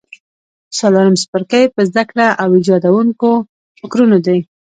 څلورم څپرکی په زده کړه او ایجادوونکو فکرونو دی.